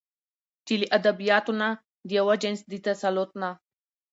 چې له ادبياتو نه د يوه جنس د تسلط نه